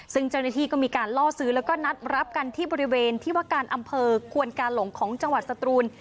ซึ่งเจ้าหน้าที่ก็มีการล่อซื้อแล้วก็นัดรับกันที่บริเวณที่ว่าการอำเภอควนกาหลงของจังหวัดสตรูน